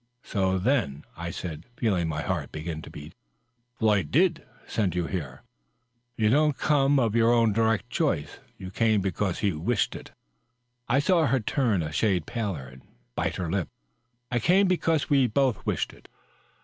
" So, then," I said, feeling my heart b^in to beat, " Floyd did send you here ! You don't come of your own direct choice. You come because ke wished it V^ I saw her turn a shade paler and bite her lip. ^^ I come because we both wished it.''